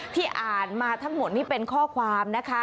ที่อ่านมาทั้งหมดนี่เป็นข้อความนะคะ